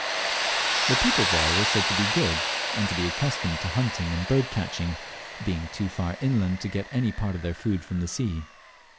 The people there were said to be good, and to be accustomed to hunting and bird catching, being too far inland to get any part of their food from the sea.